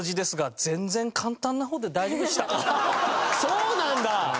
そうなんだ！